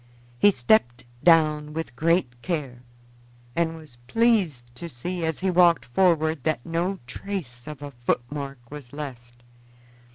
He stepped down with great care, and was pleased to see, as he walked forward, that no trace of a footmark was left.